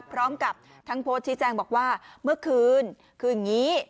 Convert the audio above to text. พร้อมกับทั้งโพสต์ชี้แจงบอกว่าเมื่อคืนคืออย่างนี้